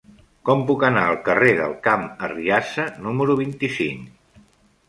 Com puc anar al carrer del Camp Arriassa número vint-i-cinc?